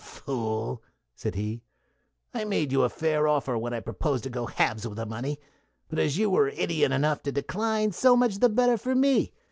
"Fool!" said he, "I made you a fair offer when I proposed to go halves with the money; but as you were idiot enough to decline, so much the better for me.